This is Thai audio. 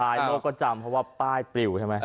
โลกก็จำเพราะว่าป้ายปริวใช่ไหม